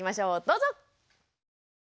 どうぞ！